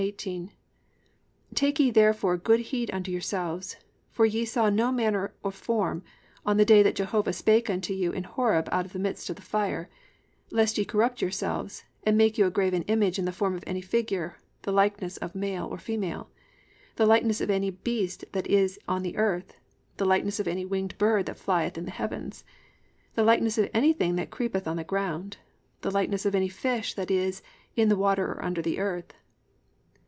4:15 18: +"Take ye therefore good heed unto yourselves; for ye saw no manner of form on the day that Jehovah spake unto you in Horeb out of the midst of the fire; (16) lest ye corrupt yourselves, and make you a graven image in the form of any figure, the likeness of male or female, (17) the likeness of any beast that is on the earth, the likeness of any winged bird that flieth in the Heavens. (18) The likeness of anything that creepeth on the ground, the likeness of any fish that is in the water under the earth."